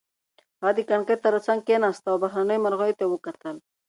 هغه د کړکۍ تر څنګ کېناسته او بهرنیو مرغیو ته یې وکتل.